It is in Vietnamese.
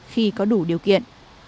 khi có đủ điều kiện